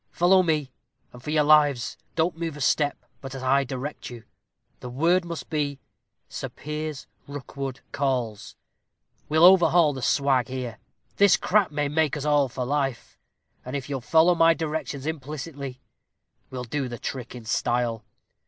Follow me, and, for your lives, don't move a step but as I direct you. The word must be, 'Sir Piers Rookwood calls.' We'll overhaul the swag here. This crack may make us all for life; and if you'll follow my directions implicitly, we'll do the trick in style.